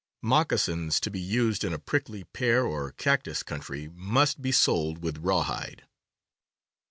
Moccasins to be used in a prickly pear or cactus country must be soled with rawhide.